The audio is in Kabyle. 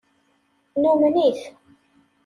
Numen-it.